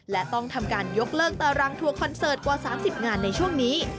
และต้องทำการยกเลิกตารางทัวร์คอนเสิร์ตกว่า๓๐งานในช่วงนี้